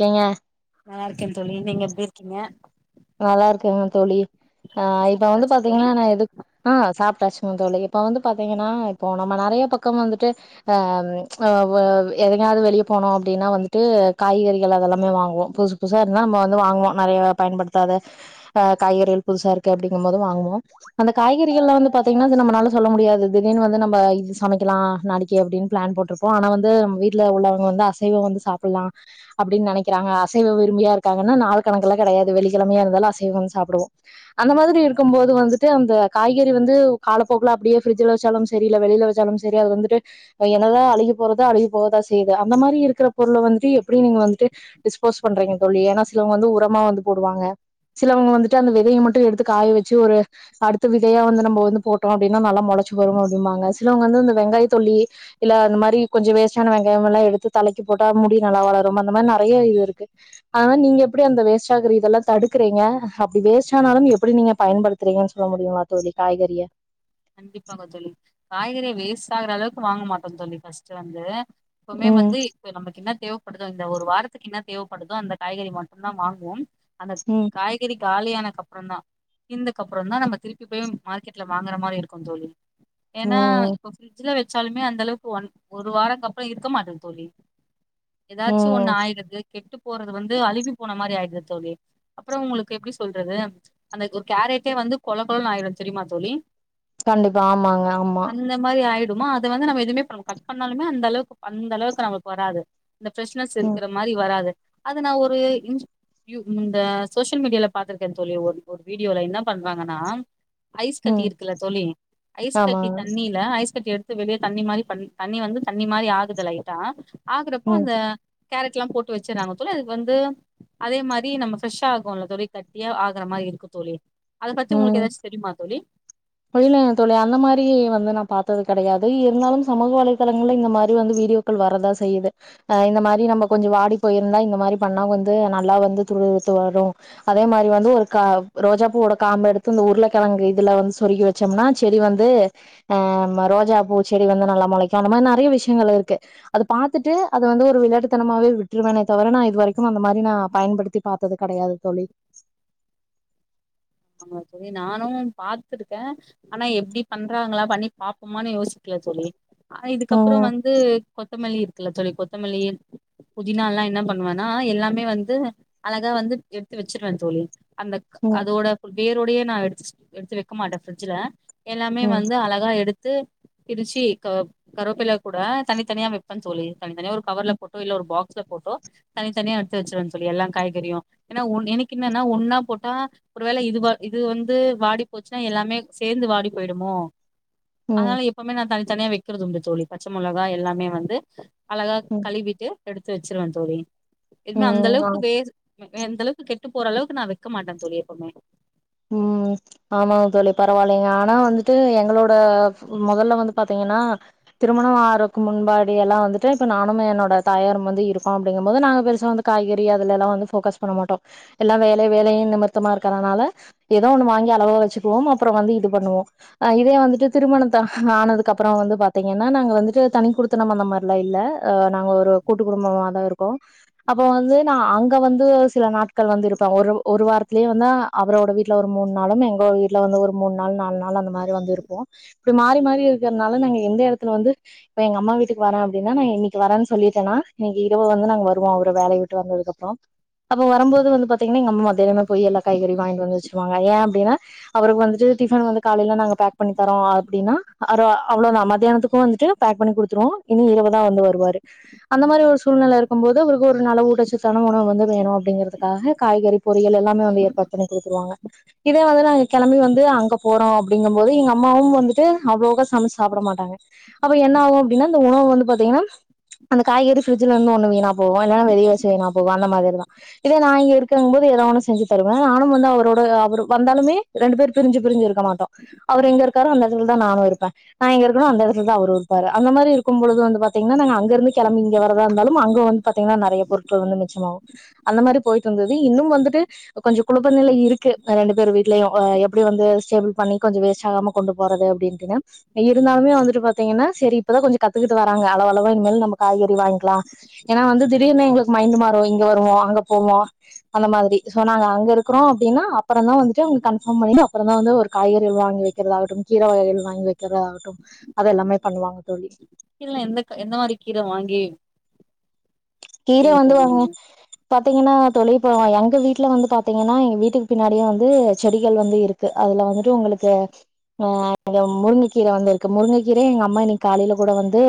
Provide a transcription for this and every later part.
கங்க நல்லா இருக்கே தோழி நீங்க எப்டி இருக்கீங்க நல்லா இருக்கங் தோழி ஆ இப்ப வந்து சாப்டாச்சா தோழி பாத்தீங்கன்னா நா எது ஆ சாப்ட்டாச்சுங்க தோழி இப்ப வந்து பாத்தீங்கன்னா இப்போ நம்ம நெறைய பக்கம் வந்துட்டு ஆ அ வ எதுனாது வெளியே போனோ அப்டினா வந்துட்டு காய்கறிகள் அதெல்லாமே வாங்குவோ புதுசு புதுசா இருந்தா நம்ம வந்து வாங்குவோ நெறைய பயன்படுத்தாத ஆ காய்கறிகள் புதுசா இருக்கு அப்டிங்கு போது வாங்குவோ அந்த காய்கறிகள்ல வந்து பாத்தீங்கன்னா அது நம்மளால சொல்ல முடியாது திடீர்னு வந்து நம்ம இது சமைக்கலா நாளைக்கி அப்டின் பிளான் போட்டுரு வோ ஆனா வந்து வீட்ல உள்ளவங்க வந்து அசைவம் வந்து சாப்புலா அப்டின் நெனைக்கிறாங்க அசைவ விரும்பியா இருக்காங்கனா நாளு கணக்குல்லா கெடையது வெள்ளிகெழமையா இருந்தாலு அசைவம் சாப்டுவோ அந்த மாதிரி இருக்கும்போது வந்துட்டு அந்த காய்கறி வந்து காலப்போக்குல அப்டியே ஃப்ரிட்ஜ்ல வச்சாலும் சரி இல்ல வெளில வச்சாலும் சரி அது வந்துட்டு என்னதா அழுகி போறதா அழுகி போவதா செய்யுது அந்த மாரி இருக்குற பொருள வந்துட்டு எப்டி நீங்க வந்துட்டு டிஸ்போஸ் பண்றீங்க தோழி ஏனா சிலவங்க வந்து உரமா வந்து போட் டுவாங்க சிலவங்க வந்துட்டு அந்த விதையை மட்டு எடுத்து காய வச்சு ஒரு அடுத்து விதையா வந்து நம்ம வந்து போட்டோ அப்டின்னா நல்லா மொளச்சு வரு அப்டிம்பாங்க சிலவங்க வந்து இந்த வெங்காயத்தொலி இல்ல அந்த மாரி கொஞ்சொ வேஸ்டான வெங்காயமலா எடுத்து தலைக்கி போட்டா முடி நல்லா வளரும் அந்த மாரி நெறைய இது இருக்கு அதா நீங்க எப்டி அந்த வேஸ்ட்டா ஆகுறீ தெல்லா தடுக்குறீங்க அப்டி வேஸ்ட் ஆனாலும் எப்டி நீங்க பயன்படுத்துறீங்கன் சொல்ல முடியுங்களா தோழி காய்கறிய கண்டிப்பாங்க தோழி காய்கறிய வேஸ்ட் ஆகுற அளவுக் வாங்க மாட்டோம் தோழி ஃபர்ஸ்ட் வந்து எப்போமே ம் வந்து ப்ப நமக்கு என்ன தேவப்படுதோ இந்த ஒரு வாரத்துக்கு என்ன தேவப்படுதோ அந்த காய்கறி மட்டுந்தா வாங்குவோம் அந்தக் ம் காய் கறி காலியானக்கப்பறந்தா தீந்தக்கப்பறந்தா நம்ம திருப்பி போய் மார்க்கெட்ல வாங்கற மாரி இருக் குந் தோழி ஏன்னா ம் இப்போ ஃபிரிட்ஜ்ல வச்சாலுமே அந்தளவுக் ஒன் ஒரு வாரக்கப்பறோ இருக்க மாட்டேது தோழி எதாச்சு ஒன்னு ம் ஆய்டுது கெட்டு போறது வந்து அழுவி போன மாரி ஆயிடுது தோழி அப்பறோ உங்களுக்கு எப்டி சொல்றது அந்த ஒரு கேரட்டே வந்து கொள கொளன் ஆயிரு தெரியுமா தோழி கண்டிப்பா ஆமாங்க ஆமா அந்த மாரி ஆயிடுமா அத வந்து நம்ம எதுவுமே பண்ண கட் பண்ணாலுமே அந்த அளவுக்கு அந்த அளவுக்கு நமக்கு வராது இந்த ஃபிரஷனஸ் ம் இருக்குற மாரி வராது அத நா ஒரு இன் யூ இந்த சோசியல் மீடியால பாத்துருக்கே தோழி ஒரு ஒரு வீடியோல என்ன பண்றாங்கன்னா ஐஸ் கட்டி ம் இருக்குல்ல தோழி ஐஸ் கட்டி ஆமாங்க தண்ணில ஐஸ் கட்டி எடுத்து வெளியே தண்ணி மாரி பண்ணி தண்ணி வந்து தண்ணி மாரி ஆகுது லைட்டா ஆகுறப்போ ம் அந்த கேரட்லா போட்டு வச்சறாங்க தோழி அது வந்து அதே மாரி நம்ம ஃப்ரெஷ்ஷா ஆகுல்ல தோழி கட்டியா ஆகுற மாரி இருக்கு தோழி அத பத்தி உங்ளுக் எதாச்சு தெரியுமா தோழி அதுல்ல தோழி அந்த மாரி வந்து நா பா த்தது கெடையாது இருந்தாலும் சமூக வலைதளங்கள்ல இந்த மாரி வந்து வீடியோக்கள் வரதா செய்யுது அ இந்த மாரி நம்ம கொஞ்சொ வாடி போயிருந்தா இந்த மாரி பண்ணா வந்து நல்லா வந்து துளுர் விட்டு வரு அதே மாரி வந்து ஒரு க ரோஜா பூவோட காம்ப எடுத்து இந்த உருளக்கெழங்கு இதுல வந்து சொருகி வச்சோம்னா செடி வந்து ஆ ம ரோஜா பூ செடி வந்து நல்லா மொளைக்கு அந்த மாரி நெறைய விஷயங்கள் இருக்கு அது பாத்துட்டு அத வந்து ஒரு விளையட்டுத்தனமாவே விட்டுருவேன தவர நா இது வரைக்கும் அந்த மாரி நா பயன்படுத்தி பாத்தது கெடையாது தோழி ஆமா தோழி நானும் பாத்துருக்கே ஆனா எப்டி பண்றாங்களா பண்ணி பாப்போமானு யோசிக்கல தோழி ஆனா இதுக்கப்பறோ ம் வந் து கொத்தமல்லி இருக்குல்ல தோழி கொத்தமல்லி புதினால்லா என்ன பண்ணுவன்னா எல்லாமே வந்து அழகா வந்து எடுத்து வச்சிருவேன் தோழி அந்த ம் அதோட வேரோடையே நா எடுத்து எடுத்து வைக்க மாட்டே பிரஃட்ஜ்ல எல்லாமே ம் வந்து அழகா எடுத் து பிரிச்சு க கருவேப்புல கூட தனித்தனியா வெப்ப தோழி தனி தனியா ஒரு கவர்ல போட்டோ இல்ல ஒரு பாக்ஸ்ல போட்டோ தனித்தனியா எடுத்து வச்சிருவேன் தோழி எல்லா காய்கறியு ஏனா ஒன் எனக்கு என்னனா ஒன்னா போட்டா ரு வேல இதுவா இது வந்து வாடி போச்சுன்னா எல்லாமே சேர்ந்து வாடி போயிடுமோ ம் அதனால எப் எப்போவுமே நா தனித்தனியா வைக்கறது உண்டு தோழி பச்ச முளகா எல்லாமே வந்து அழகா ம் கழுவிட்டு எடுத்து வச்சிருவ தோழி எதுவுமே அந்த ம் ஆ அளவுக்கு வே எந்தளவுக்கு கெட்டு போற அளவுக்கு நா வைக்க மாட்ட தோழி எப்பவுமே ம் ஆமா தோழி பரவாயில்லைங்க ஆனா வந்துட்டு எங்களோட முதல்ல வந்து பாத்தீங்கன்னா திருமண ஆரறதுக்கு முன்பாடி எல்லா வந்துட்டு இப்ப நானு என்னோட தாயாரு வந்து இருக்கோ அப்படிங்கும் போது நாங்க பெருசா வந்து காய்கறி அதுல எல்லா வந்து ஃபோக்கஸ் பண்ண மாட்டோ எல்லா வேல வேலைய நிமித்தமா இருக்கறனால ஏதோ ஒண்ணு வாங்கி அளவா வச்சக்குவோ அப்பற வந்து இது பண்ணுவோ ஹ் இதே வந்துட்டு திருமணத்த ஆனதுக்கு அப்பற வந்து பாத்தீங்கன்னா நாங்க வந்துட்டு தனி கொடுத்து த்தன அந்த மாதிர லா இல்ல அ நாங்க ஒரு கூட்டு குடும்பமாதா இருக்கோ அப்ப வந்து நா அங்க வந்து சில நாட்கள் வந்து இருப்ப ஒரு ஒரு வாரத்திலேயே வந்து அவரோட வீட்டு வீல ஒரு மூ நாளும் எங்க வீட்டுல வந்து ஒரு மூணு நாள் நாலு நாள் அந்த மாதிரி வந்து இருப்போ இப்டி மாறி மாறி இருக்கிறதுனால நாங்க எந்த இடத்துல வந்து இப்ப எங்க அம்மா வீட்டுக்கு வர அப்பின்னா நா இன்னிக்கு வரே சொல்லிட்டன்னா இன்னிக்கு இரவு வந்து நாங்க வருவோ அவரு வேலைய விட்டு வந்ததுக்கப்பற அப்போ வரும்போது வந்து பாத்தீங்கன்னா எங்க அம்மா மத்தியானமே போய் எல்லா காய்கறி வாங்கிட்டு வச்சருவாங்க எய அப்டின்னா அவருக்கு வந்துட்டு டிஃபன் வந்து காலையில நாங்க பேக் பண்ணி தரோம் அப்டின்னா அவுரு அவ்வளவுதா மத்தியானத்துக்கு வந்துட்டு பேக் பண்ணி குடுத்துருவோ இனி இரவு தா வந்து வருவாரு அந்த மாதிரி ஒரு சூழ்நிலை இருக்கும்ப போது அவருக்கு ஒரு நல்ல ஊட்டச்சத்தன உணவு வந்து வேணும் அப்டிங்கிறதுக்காக காய்கறி பொறியள்ல் எல்லாமே வந்து ஏற்பாடு பண்ணி கொடுத்துவாங்க இத வந்து நாங்க கிளம்பி வந்து அங்க போறோ அப்டிங்கும்போது எங்க அம்மாவும் வந்துட்டு அவ்வளோக சமைச்ச சாப்ட மாட்டாங்க அப்ப என்ன ஆகு அப்டின்னா இந்த உணவு வந்து பாத்தீங்கன்னா அந்த காய்கறி ஃப்ரிட்ஜ்ல இருந்து ஒன்னு வீணா போகு இல்ன்னா வெளில வச்சு வீணா போகு அந்த மாதிரிதா இதே நா இங்க இருக்கங்க போது ஏதோ ஒண்ணு செஞ்சு தருவ நானு வந்து அவரோட அவர் வந்தாலுமே ரெண்டு பேர் பிரிஞ்சு பிரிஞ்சு இருக்க மாட்டோ அவர் எங்க இருக்காரோ அந்த இடத்துல தா நானு இருப்ப நா எங்க இருக்கண்ணோ அந்த இடத்துலா தா அவரு இருப்பாரு அந்த மாதிரி இருக்கும்ப பொழுது வந்து பாத்தீங்கன்னா நாங்க அங்க இருந்து கிளம்பி இங்க வரதா இருந்தாலு அங்க வந்து பாத்தீங்கன்னா நெறைய பொருட்கள் வந்து மிச்சமாகு அந்த மாதிரி போயிட்டு இருந்தது இன்னு வந்துட்டு கொஞ்ச குழப்ப நிலை இருக்கு ரெண்டு பேர் வீடலய எப்டி வந்து ஸ்டேபிள் பண்ணி கொஞ்ச வேஸ்ட் ஆகாம கொண்டு போறது அப்டின்ட்டுதா இருந்தாலுமே வந்துட்டு பாத்தீங்கன்னா சரி இப்பதா கொஞ்ச கத்துக்கிட்டு வராங்க அளவு அளவா இனிமேல் நம்ம காய்கறி வாங்கிக்கலா ஏன்னா வந்து திடீர்னா எங்களுக்கு மைந்து மாறு இங்க வருவோ அங்க போவோ அந்த மாதிரி சோ நாங்க அங்க இருக்கிறோ அப்பற தா வந்துட்டு கன்பார்ம் பண்ணிட்டு அப்பறாதா வந்து ஒரு காய்கறிகள் வாங்கி வைறதா கட்டும் கீரை வகைகள் வாங்கி வை இருக்கிற ஆகட்டும் அது எல்லாமே பண்ணுவாங்க தோழி கீல்ல எந்த எந்த மாதிரி கீர வாங்கி கீர விப்பீங்க வந்து தோழி வாங்க நீங்க பாத்தீங்கன்னா தோழி இப்ப எங்க வீட்டுல வந்து பாத்தீங்கன்னா எங்க வீட்டுக்கு பின்னாடியே வந்து செடிகள் வந்து இருக்கு அதுல வந்துட்டு உங்களுக்கு ஆ முருங்கைக்கீர வந்து இருக்கு முருங்கைக்கீரயு எங்க அம்மா இன்னிக்கு காலையில கூட வந்து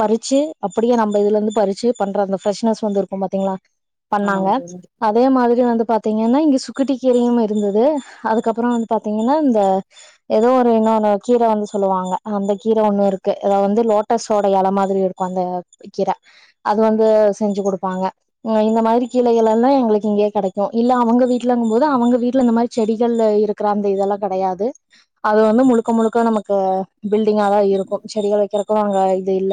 பறிச்சு அப்டியே நம்ம இதுல இருந்து பறிச்சு பண்ற அந்த ஃப்ரெஷ்னஸ் வந்து இருக்கும் பாத்தீங்களா பண்ணாங்க ஆமாங்க தோழி அதே மாதிரி வந்து பாத்தீங்கன்னா இங்க சுக்கட்ட கீரையு இருந்தது அதுக்கப்பற வந்து பார்த்தீங்கன்னா இந்த ஏதோ ஒரு இன்னொன்ன கீர வந்து சொல்லுவாங்க அந்த கீர ஒன்னு இருக்கு ஏ வந்து லோட்டஸோட இல மாதிரி இருக்கு உகாந்த கீர அது வந்து செஞ்சு கொடுப்பாங்க இந்த மாதிரி கீழகள் எல்லா எங்களுக்கு இங்கயே கிடைக்கும் இல்ல அவங்க வீட்டுல இருங்கும் போது அவங்க வீட்டுல இந்த மாதிரி செடிகள் இரு க்கிரந்த இதெல்லா கிடையாது அது வந்து முழுக்க முழுக்க நமக்கு பில்டிங்கா தா இருக்கும் செடிகள் வைக்கிறக்கும் அங்க இது இல்ல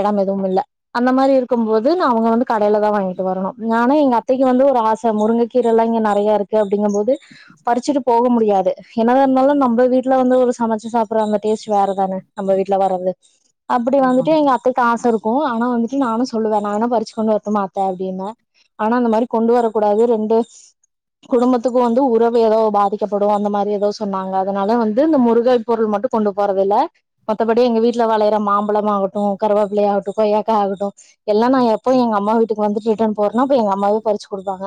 எடம் எதுவுமில்ல அந்த மாரி இரு இருக்கும் போது நான் அவங்க வந்து க்கும்போது அவங்க வந்து கடைலதா வாங்கிட்டு வரணு ஆனா எங்க அத்தைக்கு வந்து ஒரு ஆச முருங்கக்கீரெல்லா இங்க நறைய இருக்கு அப்டிங்கம்போது பறிச்சுட்டு போக முடியாது என்னதா இருந்தாலு நம்ம வீட்ல வந்து ஒரு சமைச்சு சாப்பிற அந்த டேஸ்ட் வேற தான நம்ப வீட்ல வர்றது அப்படி வந்துட்டு ஆமாங்க எங்க அத்தைக்கு ஆச இருக்கு ஆனா வந்துட்டு நானு சொல்லுவே நா வேணா பறிச்சு கொண்டு வர்ட்டுமா அத்த அப்டினு ஆனா அந்த மாரி கொண்டு வரக் கூடாது ரெண்டு குடும்பத்துக்க வந்து உறவு எதோ பாதிக்கப்படு அந்த மாரி எதோ சொன்னாங்க அதனால வந்து இந்த முருக பொருள் மட்டு கொண்டு போறதில்ல மத்தபடி எங்க வீட்ல வளையிற மாம்பழம் ஆகட்டு கருவேப்பிளயா ஆகட்டு கொய்யக்கா ஆகட்டு எல்லா நா எப்போ எங்க அம்மா வீட்டுக்கு வந்துட்டு ரிட்டன் போற்னோ அப்ப எங்க அம்மாவே பறிச்சு குடுப்பாங்க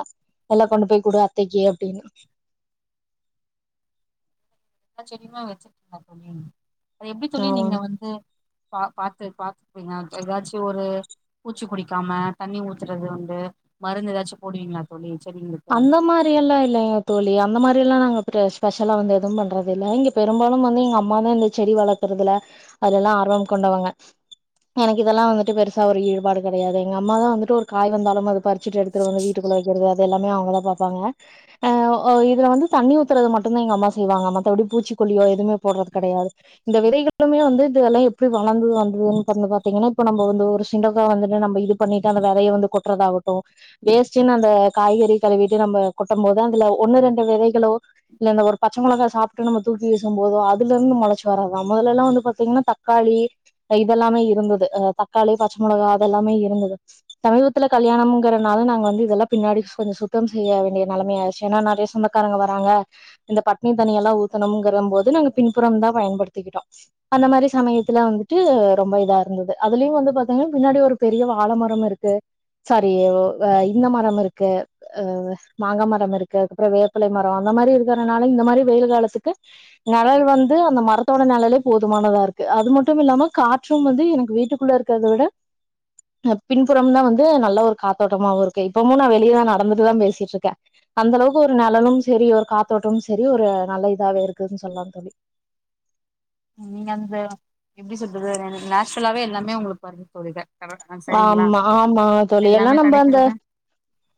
எல்லா கொண்டு போய் குடு அத்தைக்கி அப்டினு எல்லா செடியுமா வெச்சுருக்கிங்க தோழி அது எப்டி தோழி நீங்க ஆமாங்க வந்து பா பாத்து பாத்துப்பீங்க எதாச்சு ஒரு பூச்சி குடிக்காம தண்ணி ஊத்துறது வந்து மருந்து எதாச்சும் போடுவீங்ளா தோழி செடிங்ளுக் அந்த மா ரியெல்லா இல்லைங்க தோழி அந்த மாரி எல்லா நாங்க ப்ர ஸ்பெஷலா வந்து எதுவும் பண்றது இல்ல இங்க பெரும்பாலும் வந்து எங்க அம்மாதா இந் செடி வள்த்துறதுல அதுல்லா ஆர்வம் கொண்டவங்க எனக்கு இதெல்லா வந்துட்டு பெருசா ஒரு ஈடுபாடு கெடையாது எங்க அம்மாதா வந்துட்டு ஒரு காய் வந்தாலும் அது பறிச்சிட்டு எடு த்துட்டு வந்து வீட்டுக்குள்ள வெய்க்கிறது அது எல்லாமே அவுங்கதா பாப்பாங்க அ ஒ இதுல வந்து தண்ணி ஊத்துறது மட்டுந்தா எங்க அம்மா செய்வாங்க மத்தபடி பூச்சிக்கொல்லியோ எதுமே போட்றது கெடையாது இந்த விதைகளுமே வந்து இதெல்லா எப்டி வளந்து வந்ததுன் பா பாத்தீங்கன்னா இப்ப நம்ம வந்து ஒரு சுண்டகா வந்துட்டு நம்ம இது பண்ணிட்டு அந்த வெதைய வந்து கொட்றதா ஆகட்டு வேஸ்டுனு அந்த காய்கறி கழுவிட்டு நம்ம கொட்டும் போது அதுல ஒண்ணு ரெண்டு விதைகளோ இல்ல இந்த ஒரு பச்ச மொளகா சாப்ட்டு நம்ம தூக்கி வீசும் போதோ அதுலருந்து மொளச்சி வரத்தா மொதலெல்லா வந்து பாத்தீங்ன்னா தக்காளி அ இதெல்லாமே இருந்தது அ தக்காளி பச்சமொளகா அதெல்லாமே இருந்தது சமீபத்துல கல்யாணம்ங்கறனால நாங்க வந்து இதெல்லா பின்னாடி கொஞ்ச சுத்தம் செய்ய வேண்டிய நெலமை ஆய்ர்ச்சு ஏனா நெறய சொந்தக்காரங்க வராங்க இந்த பட்னி தண்ணியெல்லா ஊத்தணும்ங்கிறம்போது நாங்க பின்புறம்தா பயன்படுத்திக்கிட்டோ அந்த மாரி சமயத்துல வந்துட்டு ரொம்ப இதா இருந்தது அதுலியு வந்து பாத்தீங்ன்னா பின்னாடி ஒரு பெரிய வாழமரம் இருக்கு சாரி ஒ அ இந்த மரம்மிருக்கு அ மாங்க மரம் இருக்கு அதுக்கப்புற வேப்பலை மரோ அந்த மாரி இருக்கறனால இந்த மாரி வெயில் காலத்துக்கு நெழல் வந்து அந்த மரத்தோட நெழலே போதுமானதா இருக்கு அது மட்டுமில்லாம கா ற்றும் வந்து எனக்கு வீட்டுக்குள்ள இருக்கற்த விட அ பின்புறம் தா வந்து நல்ல ஒரு காத்தோட்டமாவு இருக்கு இப்பமும் நா வெளியேதா நடந்துட்டுதா பேசிட்ருக்க அந்தளவுக்கு ஒரு நெழலும் செரி ஒரு காத்தோட்டமு செரி ஒரு நல்ல இதாவே இருக்குதுன் சொல்லாம் தோழி நீங்க அந்த எப்டி சொல்றது ந த நேச்சுரலாவே எல்லாமே உங்களுக்கு [unintelligible] கரக்ட்தா சரிங்ளா ஆமா ஆமா தோழி எல்லா எல்லாமே நம்ம அந்த கடைக்கிறத்தா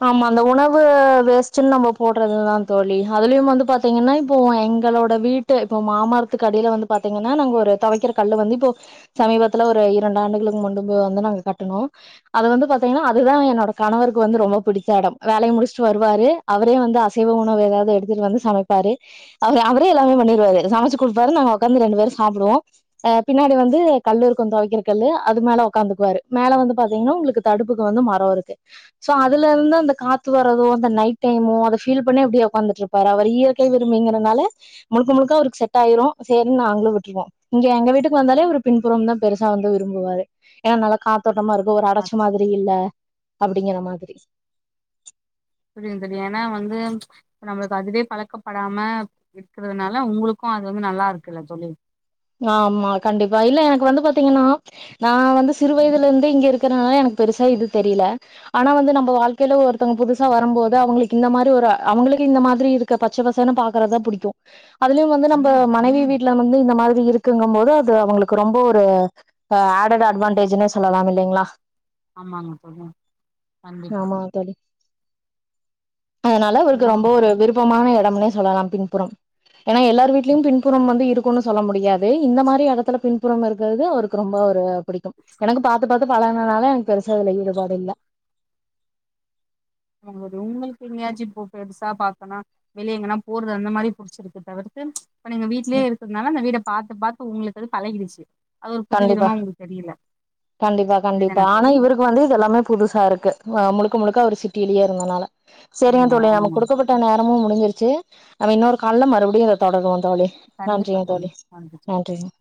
ஆமா அந்த உணவு வேஸ்டுன் நம்ம போட்றதுதா தோழி அதுலியும் வந்து பாத்தீங்கன்னா இப்போ எங்களோட வீட்டு இப்போ மாமாரத்துக்குடியில வந்து பாத்தீங்கன்னா நாங்க ஒரு தொவைக்கிற கல்லு வந்து இப்போ சமீபத்துல ஒரு இரண்டு ஆண்டுகளுக்கு முன்டுபு வந்து நாங்க கட்டுணோ அது வந்து பாத்தீங்கன்னா அதுதா என்னோட கணவருக்கு வந்து ரொம்ப புடிச்ச எடம் வேலைய முடிஷ்ட்டு வருவாரு அவரே வந்து அசைவ உணவு எதாவ்து எடுத்துட்டு வந்து சமைப்பாரு அவரு அவரே எல்லாமே பண்ணிடிவாரு சமச்சு குடுப்பாரு நாங்க உக்காந்து ரெண்டு பேரு சாப்புடுவோ ஆ பின்னடி வந்து கல் இருக்கு தொவைக்கிற கல்லு அது மேல உக்காந்துக்குவாரு மேல வந்து பாத்தீங்ன்னா உங்களுக்கு தடுப்புக்கு வந்து மரோ இருக்கு சோ அது அதுல இருந்து அந்த காத்து வரதோ அந்த நைட் டைமோ அத ஃபீல் பண்ணி அப்டியே உக்காந்துட்ருப்பாரு அவரு இயற்கைய விரும்பிங்கிறனால முழுக்க முழுக்க அவருக்கு செட் ஆயிரு சேரின்னு நாங்களு விட்ருவோ இங்க எங்க வீட்டுக்கு வந்தாலே அவரு பின்புறோம் தா பெருசா வந்து விரும்புவாரு ஏன் நல்ல காத்தோட்டமா இருக்கு ஒரு அடைச்ச மாதிரி இல்ல அப்டிங்கிற மாதிரி புரிந்தது ஏன்னா வந்து நம்மளுக்கு அதுவே பழக்கப்படாம இருக்குறதுனால உங்குளுக்கு அது வந்து நல்லா இருக்குல்ல தோழி ஆமா கண்டிப்பா இல்ல எனக்கு வந்து பாத்தீங்கன்னா நா வந்து சிறு வயதுலருந்தே இங்க இருக்குறனால எனக்கு பெருசா இது தெரியில ஆனா வந்து நம்ம வாழ்க்கையில ஒருத்தவுங்க புதுசா வரும்போது அவுங்களுக்கு இந்த மாரி ஒரு அவுங்களுக்கு இந்த மாதிரி இருக் ங்க பச்ச பசனு பக்கறதுதா புடிக்கு அதுலயு வந்து நம்ம மனைவி வீட்ல வந்து இந்த மாதிரி இப்டி இருக்குங்கம் போது அது அவுங்களுக்கு ரொம்ப ஒரு அ ஆட்டடு அட்வான்டேஜுனே சொல்லலாம் இல்லேங்ளா ஆமாங்க சொல்வோ கண்டிப்பா அத்தாடி அதுனால அவருக்கு ஏன்னா ரொம்ப ஒரு விருப் ப்பமான எடம்னே சொல்லலாம் பின்புறம் ஏனா எல்லார் வீட்லயும் பின்புறம் வந்து இருக்குனு சொல்ல முடி முடியாது இந்த மாரி எடத்துல பின்புறம் இருக்குறது அவருக்கு ரொம்ப ஒரு புடிக்கும் எனக்குப் பாத்து பாத்து பழகுனனால எனக்கு பெருசா இதுல ஈடுபாடு இல்ல அவளோடது உங்களுக்கு எங்கேயாச்சு இப்போ பெருசா பார்த்தோனா வெளிய எங்கன்னா போறது அந்த மாரி புடிச்சுருக்கு தவிர்த்து இப்ப நீங்க வீட்லயே இருக்குறதுனால அந்த வீட பாத்து பாத்து உங்களுக்கு அது பழகிடுச்சு அது ஒரு புது கண்டிப்பா விதமா உங்களுக்கு தெரியில சரிதானா தோழி இப்ப வந்து இது எல்லாமே புதுசா இருக்கு வா முழுக்க முழுக்க அவரு சிட்டியிலேயே இருந்தனால செரிங்க தோழி நமக்கு ஆமா குடுக்கப்பட்ட ட்ட நேரமு முடிஞ்சுருச்சு நம்ம இன்னோரு கால்ல மறுபடியு இத தொடருவோ தோழி நன்றிங்க தோழி நன்றிங்